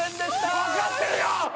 わかってるよ！